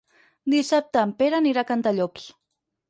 Dissabte en Pere anirà a Cantallops.